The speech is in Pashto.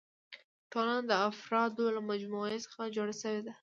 ټولنه د افرادو له مجموعي څخه جوړه ده.